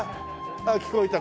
あっ聞こえた。